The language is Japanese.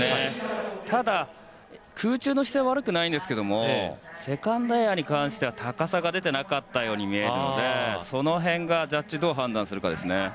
ただ、空中の姿勢は悪くないんですけどセカンドエアに関しては高さが出ていなかったように見えるのでその辺がジャッジがどう判断するかですね。